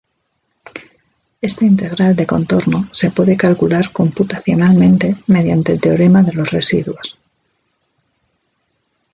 Esta integral de contorno se puede calcular computacionalmente mediante el teorema de los residuos.